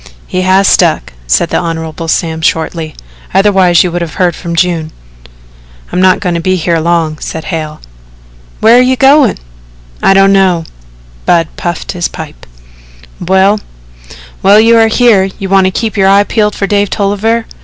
"He has stuck," said the Hon. Sam shortly; "otherwise you would have heard from June." "I'm not going to be here long," said Hale. "Where you goin'?" "I don't know." Budd puffed his pipe. "Well, while you are here, you want to keep your eye peeled for Dave Tolliver.